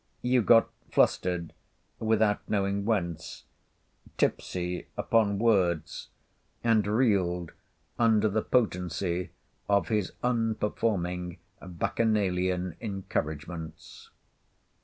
You got flustered, without knowing whence; tipsy upon words; and reeled under the potency of his unperforming Bacchanalian encouragements.